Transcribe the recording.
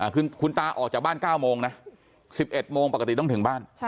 อ่าคือคุณตาออกจากบ้านเก้าโมงนะสิบเอ็ดโมงปกติต้องถึงบ้าน